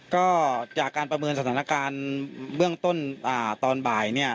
ก็จากการประเมินสถานการณ์เบื้องต้นตอนบ่าย